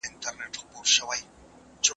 تاسو ولې په خپلو ژمنو کې دومره بې پروا یاست؟